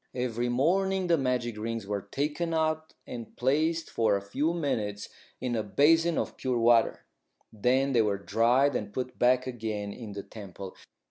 Every morning the magic rings were taken out and placed for a few minutes in a basin of pure water. Then they were dried and put back again in the temple.